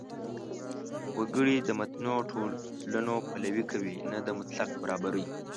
وګړي د متنوع ټولنو پلوي کوي، نه د مطلق برابرۍ.